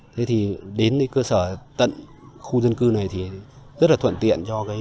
thế thì đến cơ sở tận khu dân cư này thì rất là thuận tiện cho cái